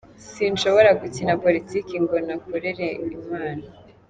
Sinshobora gukina politiki ngo nakorere Imana.